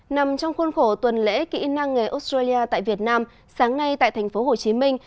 nằm trong khuôn khổ tuần lễ kỹ năng nghề australia tại việt nam sáng nay tại thành phố hồ chí minh